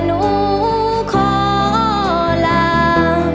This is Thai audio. ให้คุณครูว่าหนูขอลา